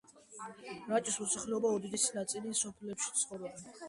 რაჭის მოსახლეობის უდიდესი ნაწილი სოფლებში ცხოვრობს.